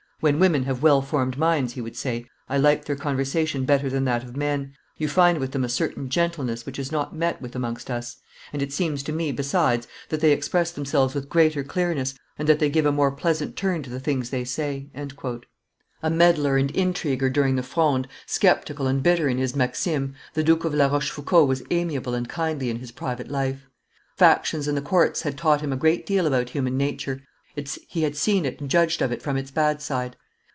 "When women have well formed minds," he would say, "I like their conversation better than that of men; you find with them a certain gentleness which is not met with amongst us, and it seems to me, besides, that they express themselves with greater clearness, and that they give a more pleasant turn to the things they say." A meddler and intriguer during the Fronde, sceptical and bitter in his Maximes, the Duke of La Rochefoucauld was amiable and kindly in his private life. Factions and the court had taught him a great deal about human nature; he had seen it and judged of it from its bad side.